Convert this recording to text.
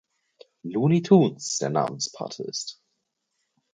Looney Toons der Namenspate ist.